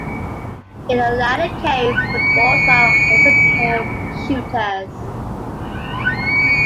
In the latter case, the balls are also called 'shooters'.